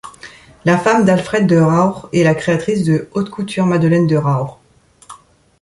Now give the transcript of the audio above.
La femme d'Alfred de Rauch est la créatrice de haute couture Madeleine de Rauch.